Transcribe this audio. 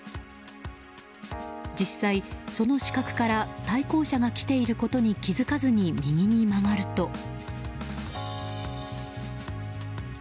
実際、その死角から対向車が来ていることに気づかずに右に曲がると。